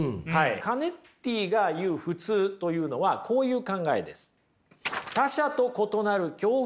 カネッティが言う普通というのはこういう考えです。